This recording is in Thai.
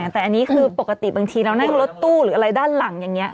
แต่อันนี้คือปกติบางทีเรานั่งรถตู้หรืออะไรด้านหลังอย่างนี้